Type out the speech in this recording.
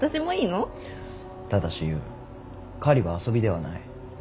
ただしゆう狩りは遊びではない。